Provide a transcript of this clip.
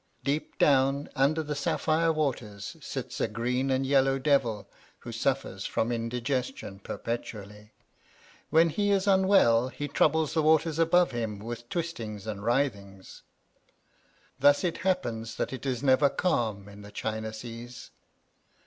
Deep down under the sapphire waters sits a green and yellow devil who suffers from indigestion perpetually. When he is un well he troubles the waters above with his twist ‚ô¶"Turnovera," VoL I. ABAFT THE FUNNEL ings and writhings. Thus it happens that it is never calm in the China seas.